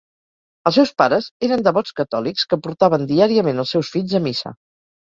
Els seus pares eren devots catòlics que portaven diàriament els seus fills a missa.